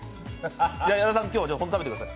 矢田さん、今日、本当に食べてください。